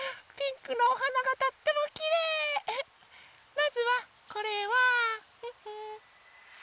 まずはこれは。